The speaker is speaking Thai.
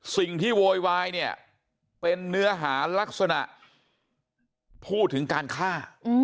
โวยวายเนี่ยเป็นเนื้อหารักษณะพูดถึงการฆ่า